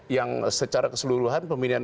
yang secara keseluruhan pemilihan